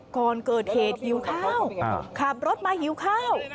ก่อนเกิดเหตุหิวข้าวขับรถมาหิวข้าว